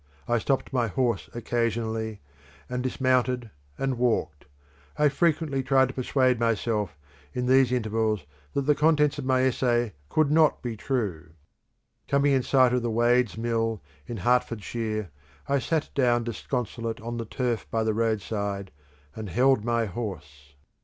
I stopped my horse occasionally, and dismounted and walked. I frequently tried to persuade myself, in these intervals, that the contents of my essay could not be true. Coming in sight of Wades Mill, in Hertfordshire, I sat down disconsolate on the turf by the roadside and held my horse.